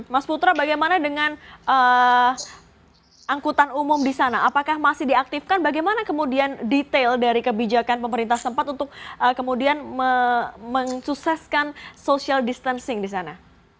mas putra bagaimana dengan angkutan umum di sana apakah masih diaktifkan bagaimana kemudian detail dari kebijakan pemerintah sempat untuk kemudian mensukseskan social distancing di sana